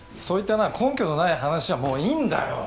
そういったな根拠のない話はもういいんだよ！